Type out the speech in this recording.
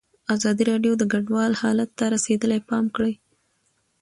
ازادي راډیو د کډوال حالت ته رسېدلي پام کړی.